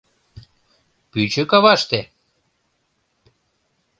Пӱчӧ каваште?